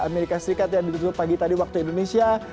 amerika serikat yang ditutup pagi tadi waktu indonesia